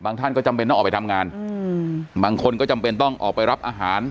ท่านก็จำเป็นต้องออกไปทำงานอืมบางคนก็จำเป็นต้องออกไปรับอาหาร